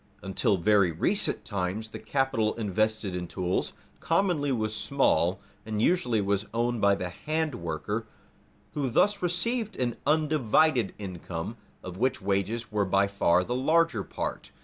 Until very recent times the capital invested in tools commonly was small, and usually was owned by the handworker who thus received an undivided income, of which wages were by far the larger part.